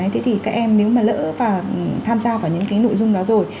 thế thì các em nếu mà lỡ và tham gia vào những cái nội dung đó rồi